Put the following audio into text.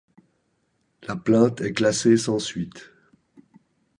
La plainte est classée sans suite.